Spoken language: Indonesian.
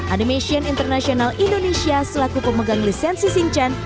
animation international indonesia selaku pemegang lisensi sinchen